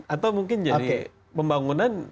atau mungkin jadi pembangunan